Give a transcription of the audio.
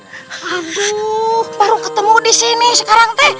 aduh baru ketemu disini sekarang teh